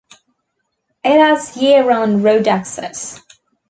It has year-round road access.